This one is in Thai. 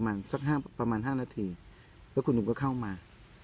ประมาณสักห้าประมาณห้านาทีแล้วคุณลุงก็เข้ามา